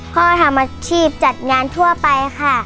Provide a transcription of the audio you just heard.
ทำอาชีพจัดงานทั่วไปค่ะ